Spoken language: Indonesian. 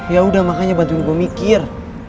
ya udah makanya bantuin gue mikir